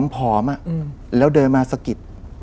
ผอมแล้วเดินมาสะกิด